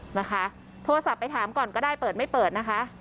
นะคะโทรศัพท์ไปถามก่อนก็ได้เปิดไม่เปิดนะคะ